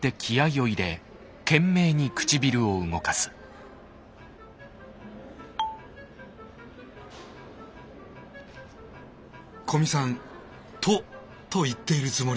古見さん「と」と言っているつもりである。